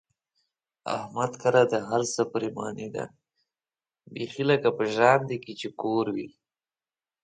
احمد کره د هر څه پرېماني ده، بیخي په ژرنده کې یې کور دی.